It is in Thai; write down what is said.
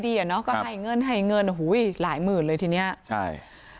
ดีเนาะก็ให้เงินให้เงินหูยหลายหมื่นเลยทีเนี่ยใช่